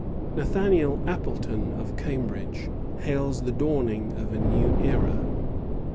Nathaniel Appleton, of Cambridge, hails the dawning of a new era.